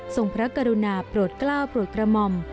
พระกรุณาโปรดกล้าวโปรดกระหม่อม